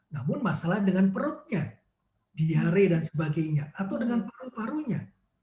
namun masalah dengan perutnya diare dan sebagainya atau dengan paru parunya